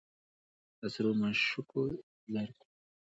د سرو مشوکو زرکو